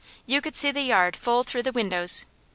You could see the yard full through the windows.